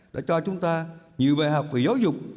đã cho chúng ta nhiều bài học về giáo dục